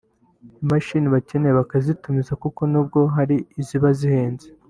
imashini bakeneye bakazitumiza kuko nubwo hari iziba zihenze